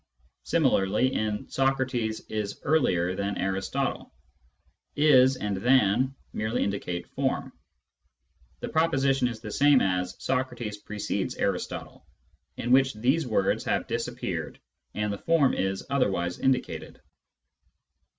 Similarly in " Socrates is earlier than Aristotle," " is " and " than " merely indicate form ; the proposition is the same as " Socrates precedes Aristotle," in which these words have disappeared and the form is otherwise indicated.